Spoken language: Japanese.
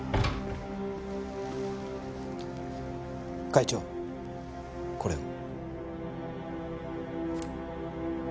会長これを。